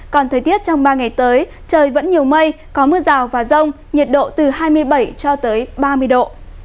còn thời tiết trong ba ngày tới trời vẫn nhiều mây có mưa rào và rông nhiệt độ từ hai mươi bảy cho tới ba mươi độ